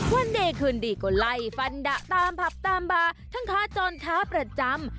วันดีคืนดีก็ไล่ฟันดะตามผับตามบาร์ทั้งค้าจรค้าประจำ